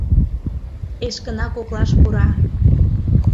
Эшкына коклаш пура.